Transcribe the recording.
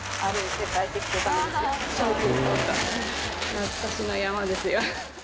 懐かしの山ですよ。